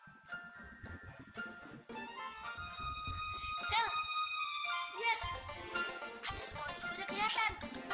ada semua itu sudah kelihatan